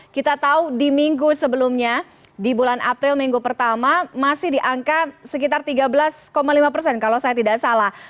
kita tahu di minggu sebelumnya di bulan april minggu pertama masih di angka sekitar tiga belas lima persen kalau saya tidak salah